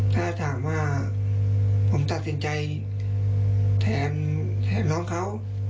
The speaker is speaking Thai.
ถ้าถามว่าผมตัดสินใจแทนน้องเขา